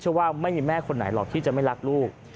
ว่าไม่มีแม่คนไหนหรอกที่จะไม่รักลูก